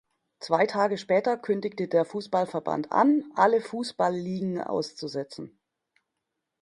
Zwei Tage später kündigte der Fußballverband an, alle Fußballligen auszusetzen.